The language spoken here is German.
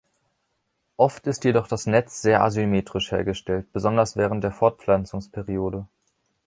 Oft ist jedoch das Netz sehr asymmetrisch hergestellt, besonders während der Fortpflanzungsperiode.